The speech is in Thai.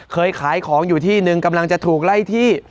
เคยขายของอยู่ที่นึงกำลังจะถูกไล่ที่